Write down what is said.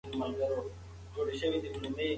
کلسیم د هډوکو لپاره ګټور دی.